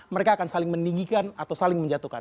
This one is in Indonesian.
mereka akan saling meninggikan atau saling menjatuhkan